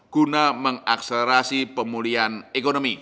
guna mengakselerasi pemulihan ekonomi